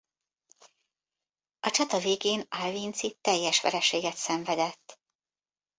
A csata végén Alvinczi teljes vereséget szenvedett.